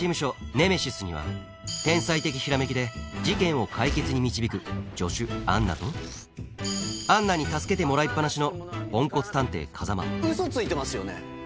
ネメシスには天才的ひらめきで事件を解決に導く助手アンナとアンナに助けてもらいっ放しのポンコツ探偵風真ウソついてますよね？